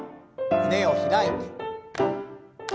胸を開いて。